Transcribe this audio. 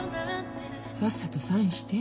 さっさとサインして。